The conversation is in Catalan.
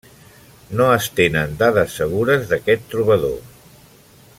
No es tenen dades segures d'aquest trobador.